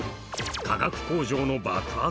化学工場の爆発？